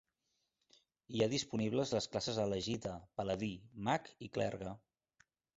Hi ha disponibles les classes a elegir de: paladí, mag, i clergue.